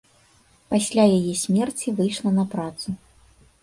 Пасля яе смерці выйшла на працу.